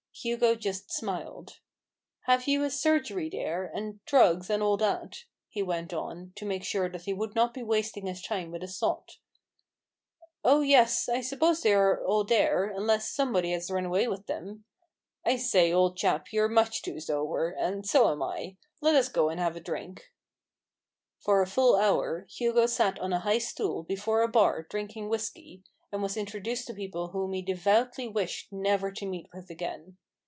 Hugo just smiled. " Have you a surgery there, and drugs, and all that ?" he went on, to make sure that he would not be wasting his time with a sot. " Oh yes, I suppose they are all there, unless somebody has run away with them. I say, old HUGO raven's hand. 161 chap, you're much too sober, and so am I. Let us go and have a drink." For a full hour, Hugo sat on a high stool, before a bar, drinking whisky; and was introduced to people whom he devoutly wished never to meet with again.